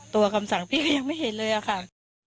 คำสั่งพี่ก็ยังไม่เห็นเลยอะค่ะ